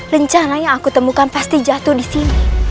rencana yang aku temukan pasti jatuh disini